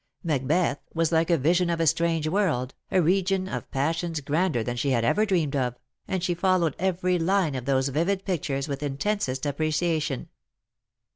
Macbeth was like a vision of a strange world, a region of passions grander than she had ever dreamed of, and she followed every fine of those vivid pictures with intensest appreciation.